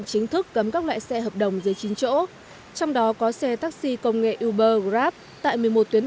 chưa hợp lý